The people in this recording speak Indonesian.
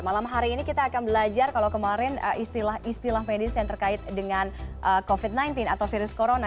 malam hari ini kita akan belajar kalau kemarin istilah istilah medis yang terkait dengan covid sembilan belas atau virus corona